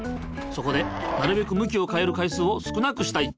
そこでなるべく向きを変える回数を少なくしたい。